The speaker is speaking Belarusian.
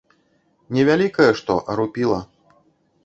Не вялікае што, а рупіла.